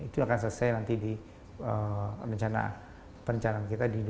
itu akan selesai nanti di rencana perencanaan kita di dua ribu dua puluh tujuh